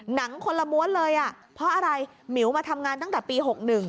หนังคนละม้วนเลยอ่ะเพราะอะไรหมิวมาทำงานตั้งแต่ปี๖๑